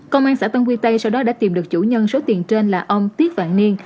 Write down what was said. công an xã tân quy tây sau đó đã tìm được chủ nhân số tiền trên là ông tiết vạn niên